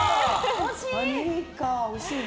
惜しい！